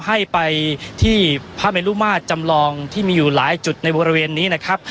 ให้ไปที่พระเมลุมาตรจำลองที่มีอยู่หลายจุดในบริเวณนี้นะครับ